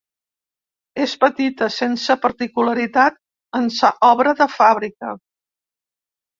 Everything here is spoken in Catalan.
És petita, sense particularitat en sa obra de fàbrica.